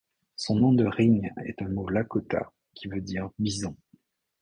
Son nom de ring est un mot lakota qui veut dire bison.